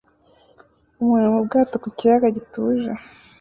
Umuntu mu bwato ku kiyaga gituje